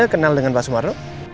kenal dengan pak sumarno